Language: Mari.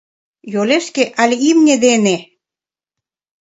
— Йолешке але имне дене?